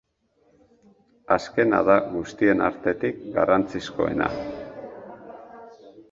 Azkena da guztien artetik garrantzizkoena.